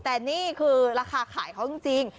แต่นี่คือราคาขายเขาจริง